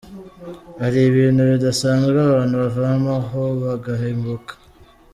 Hari ibintu bidasanzwe abantu bavomaho bagahembuka.